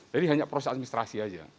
jadi hanya proses administrasi aja